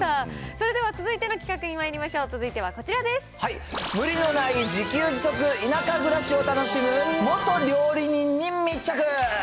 それでは続いての企画にまいりま無理のない自給自足、田舎暮らしを楽しむ元料理人に密着。